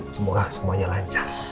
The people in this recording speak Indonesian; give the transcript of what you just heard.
semoga semuanya lancar